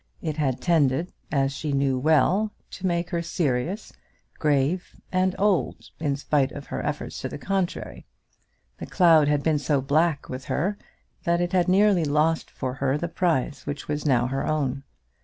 It had tended, as she knew well, to make her serious, grave, and old, in spite of her own efforts to the contrary. The cloud had been so black with her that it had nearly lost for her the prize which was now her own.